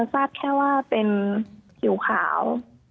คลาดแค่ว่าเป็นสีขาว